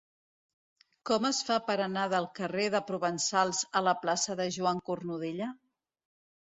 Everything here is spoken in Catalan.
Com es fa per anar del carrer de Provençals a la plaça de Joan Cornudella?